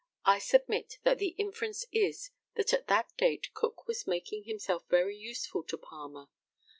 I submit that the inference is, that at that date Cook was making himself very useful to Palmer.